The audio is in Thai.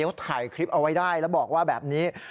เขาถ่ายคลิปเอาไว้ได้แล้วบอกว่าแบบนี้